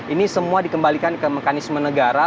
ini semua dikembalikan ke mekanisme negara